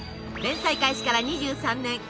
連載開始から２３年。